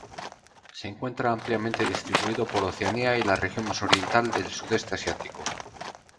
Se encuentra ampliamente distribuido por Oceanía y la región más oriental del Sudeste asiático.